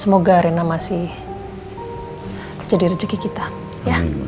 semoga rena masih jadi rejeki kita ya